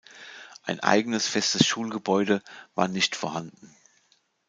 Ein eigenes festes Schulgebäude war nicht vorhanden.